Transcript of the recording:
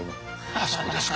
あそうですか。